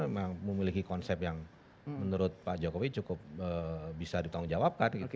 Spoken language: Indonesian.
memang memiliki konsep yang menurut pak jokowi cukup bisa ditanggungjawabkan